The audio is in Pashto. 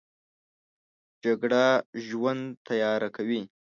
جګړه ژوند تیاره کوي